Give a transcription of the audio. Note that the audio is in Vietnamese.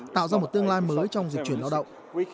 tạo ra một tương lai mới trong dịch chuyển lao động